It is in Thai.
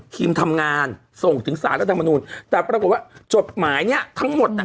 ทีมทำงานส่งถึงสารรัฐมนุนแต่ปรากฏว่าจดหมายเนี้ยทั้งหมดน่ะ